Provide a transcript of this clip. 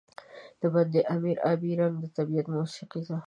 د بند امیر آبی رنګ د طبیعت موسيقي ده.